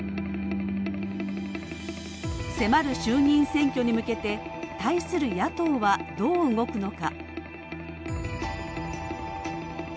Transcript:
迫る衆議院選挙に向けて対する野党はどう動くのか？